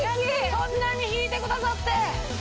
そんなに引いてくださって！